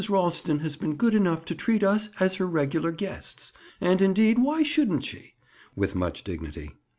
Ralston has been good enough to treat us as her regular guests. And, indeed, why shouldn't she?" With much dignity.